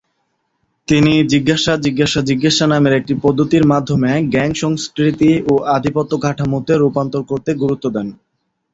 তিনি "জিজ্ঞাসা, জিজ্ঞাসা, জিজ্ঞাসা" নামের একটি পদ্ধতির মাধ্যমে "গ্যাং সংস্কৃতি ও আধিপত্য কাঠামো"-তে রুপান্তর করতে গুরুত্ব দেন।